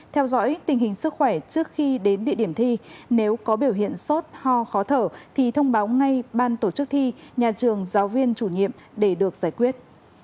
theo dõi tình hình sức khỏe trước khi đến địa điểm thi nếu có biểu hiện sốt ho khó thở thì thông báo ngay ban tổ chức thi nhà trường giáo viên chủ nhiệm để được giải quyết